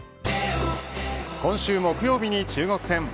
今週木曜日に中国戦